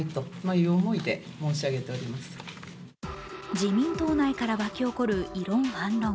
自民党内から巻き起こる異論・反論。